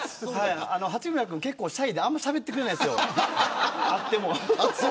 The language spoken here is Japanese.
八村君、結構シャイであんまりしゃべってくれないんです。